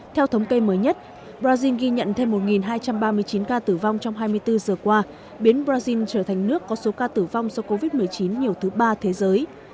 theo thống kê mới nhất brazil ghi nhận thêm một hai trăm ba mươi chín ca tử vong trong hai mươi bốn giờ qua biến brazil trở thành nước có số ca tử vong do covid một mươi chín nhiều thứ ba thế giới